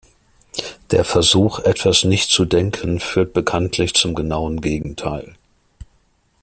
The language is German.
Der Versuch etwas nicht zu denken führt bekanntlich zum genauen Gegenteil.